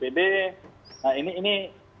kemenkiu bilang sudah ada di bnku